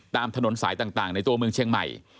ตามถนนสายต่างในตัวเมืองเชียงใหม่